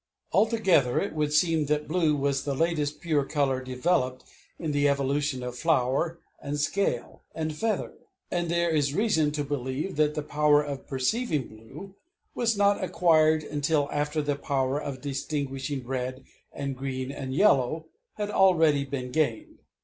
Altogether it would seem that blue was the latest pure color developed in the evolution of flower and scale and feather; and there is reason to believe that the power of perceiving blue was not acquired until after the power of distinguishing red and green and yellow had already been gained.